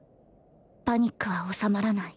パニックは収まらない。